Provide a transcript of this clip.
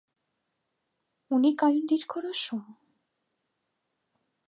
Ունի կայուն դիրքորոշում։